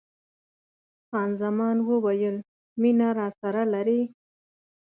خان زمان وویل: مینه راسره لرې؟